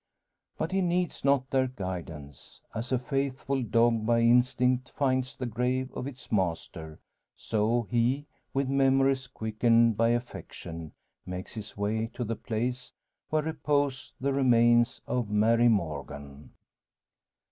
But he needs not their guidance. As a faithful dog by instinct finds the grave of its master, so he, with memories quickened by affection, makes his way to the place where repose the remains of Mary Morgan.